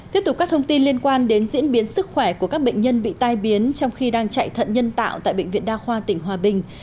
tiếp tục các thông tin liên quan đến diễn biến sức khỏe của các bệnh nhân bị tai biến trong khi đang chạy thận nhân tạo tại bệnh viện đa khoa tỉnh hòa bình